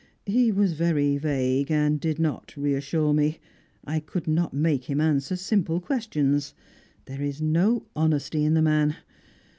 He was very vague, and did not reassure me; I could not make him answer simple questions. There is no honesty in the man.